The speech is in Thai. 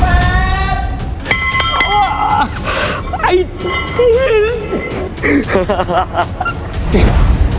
แม่จ๊าง